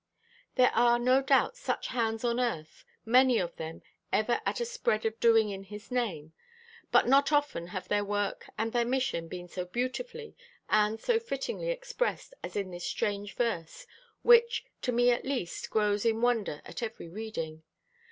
There are no doubt such hands on earth, many of them "ever at a spread of doing in His name," but not often have their work and their mission been so beautifully and so fittingly expressed as in this strange verse which, to me at least, grows in wonder at every reading.